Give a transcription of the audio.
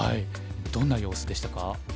どんな様子でしたか？